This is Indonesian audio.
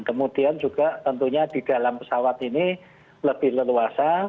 kemudian juga tentunya di dalam pesawat ini lebih leluasa